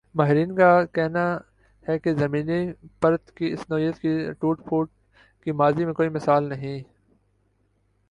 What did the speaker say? ماہرین کا کہنا ہی کہ زمینی پرت کی اس نوعیت کی ٹوٹ پھوٹ کی ماضی میں کوئی مثال موجود نہیں ا